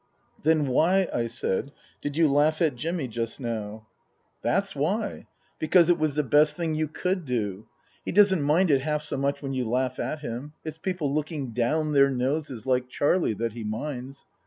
" Then why," I said, " did you laugh at Jimmy just now ?" 154 Tasker Jevons " That's why. Because it was the best thing you could do. He doesn't mind it half so much when you laugh at him. It's people looking down their noses, like Charlie, that he minds.